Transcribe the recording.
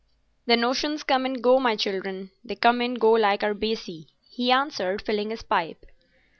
"The notions come and go, my children—they come and go like our "baccy," he answered, filling his pipe.